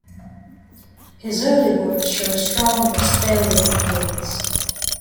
His early works show a strong Westphalian influence.